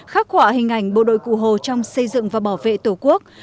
khắc họa hình ảnh bộ đội cụ hồ trong xây dựng và bảo vệ tổ quốc